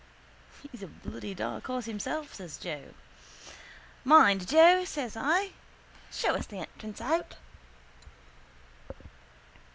—He's a bloody dark horse himself, says Joe. —Mind, Joe, says I. Show us the entrance out.